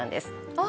あ！